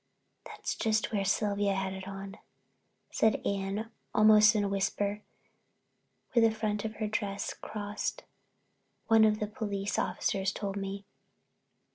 "That's just where Sylvia had it on," said Anne almost in a whisper, "where the front of her dress crossed. One of the police officers told me."